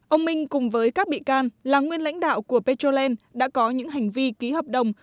ông minh cùng với các bị can là nguyên lãnh đạo của petrolen đã có những hành vi ký hợp đồng